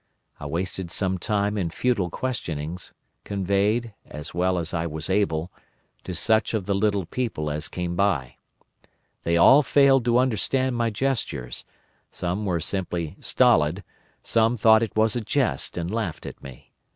I wasted some time in futile questionings, conveyed, as well as I was able, to such of the little people as came by. They all failed to understand my gestures; some were simply stolid, some thought it was a jest and laughed at me.